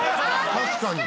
「確かに！」